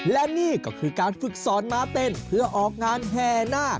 และนี่ก็คือการฝึกสอนม้าเต้นเพื่อออกงานแห่นาค